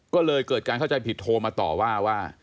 ก็เลยเกิดการเข้าใจผิดโทรมาต่อว่าว่า